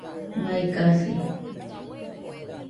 Mai kasi